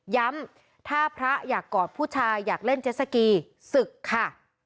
ย้ำถ้าพระอยากกอดผู้ชายอยากเล่นเจสสกีศึกค่ะ